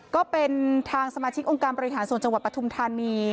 ก็เป็นทางสมาชิกองค์การบริหารส่วนจังหวัดปทุมธานี